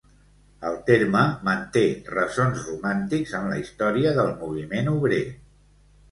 El terme manté ressons romàntics en la història del moviment obrer.